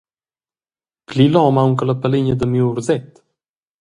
Pli lom aunc che la pelegna da miu uorset.